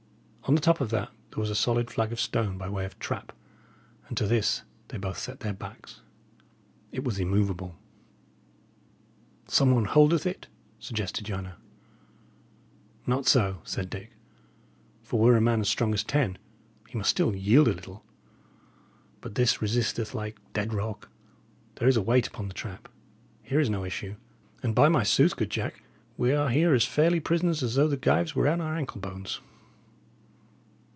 On the top of that there was a solid flag of stone by way of trap, and to this they both set their backs. It was immovable. "Some one holdeth it," suggested Joanna. "Not so," said Dick; "for were a man strong as ten, he must still yield a little. But this resisteth like dead rock. There is a weight upon the trap. Here is no issue; and, by my sooth, good Jack, we are here as fairly prisoners as though the gyves were on our ankle bones.